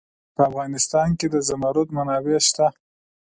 په افغانستان کې د زمرد منابع شته.